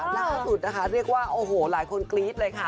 ล่าสุดนะคะเรียกว่าโอ้โหหลายคนกรี๊ดเลยค่ะ